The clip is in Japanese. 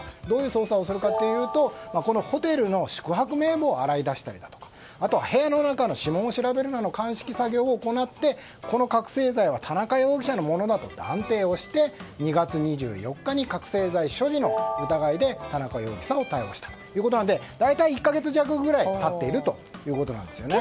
どういう捜査をするかというとこのホテルの宿泊名簿を洗い出したりだとか部屋の中の指紋を調べるなど鑑識作業を行って、この覚醒剤は田中容疑者のものだと断定をして２月２４日に覚醒剤所持の疑いで田中容疑者を逮捕したということなので大体１か月弱くらい経っているということです。